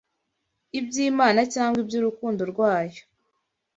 iby’Imana cyangwa iby’urukundo rwayo